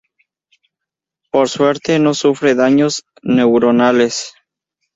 Por suerte no sufre daños neuronales.